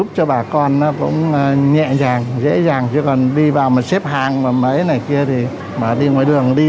khởi động một số đơn vị